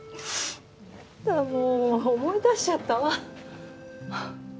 やだもう思い出しちゃったわ。